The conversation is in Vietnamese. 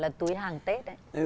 gói là túi hàng tết ấy